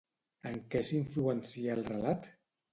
En què s'influencia el relat?